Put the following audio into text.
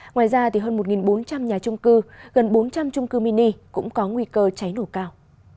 ngoài ra hơn một bốn trăm linh nhà trung cư gần bốn trăm linh trung cư mini cũng có nguy cơ cháy nổ cao